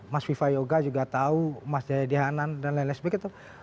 mas viva yoga juga tahu mas jayadihanan dan lain lain